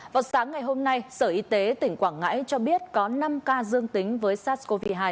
vào sáng ngày hôm nay sở y tế tỉnh quảng ngãi cho biết có năm ca dương tính với sars cov hai